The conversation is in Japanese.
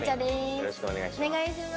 よろしくお願いします。